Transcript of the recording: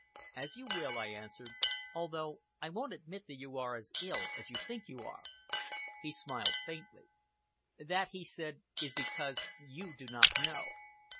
"As you will," I answered, "although I won't admit that you are as ill as you think you are!" He smiled faintly. "That," he said, "is because you do not know.